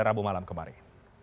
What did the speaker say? ramu malam kemarin